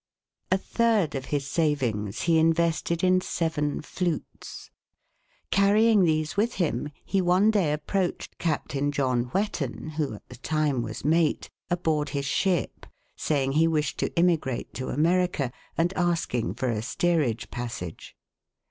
A third of his savings he invested in seven flutes. Carrying these with him, he one day approached Cap tain John Whetten — who at the time was mate — aboard his ship, saying he wished to immigrate to America, and asking for a steerage passage.